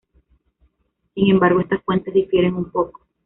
Sin embargo, estas fuentes difieren un poco.